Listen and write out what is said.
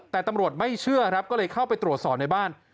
แต่ตำรวจไม่เชื่อครับก็เลยเข้าไปตรวจสอบในบ้าน